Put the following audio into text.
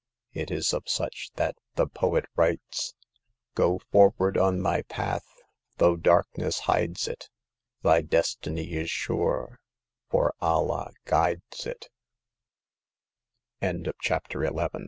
It is of such that the poet writes :" Go forward on thy path, tho' darkness hides it ; Thy destiny is sure, for Allah guides it/' The Passing of Hag